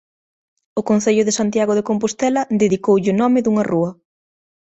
O concello de Santiago de Compostela dedicoulle o nome dunha rúa.